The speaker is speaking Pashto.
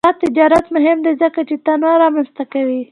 آزاد تجارت مهم دی ځکه چې تنوع رامنځته کوي.